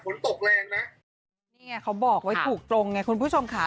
นี่ไงเขาบอกว่าถูกตรงไงคุณผู้ชมค่ะ